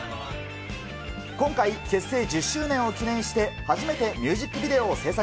今回、結成１０周年を記念して初めてミュージックビデオを制作。